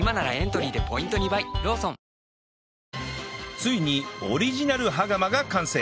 ついにオリジナル羽釜が完成